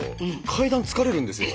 階段疲れるんですよ。